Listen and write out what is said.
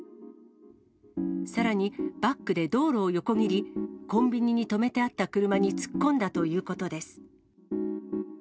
さらに、バックで道路を横切り、コンビニに止めてあった車に突っ込んだということです。